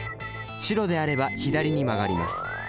白であれば左に曲がります。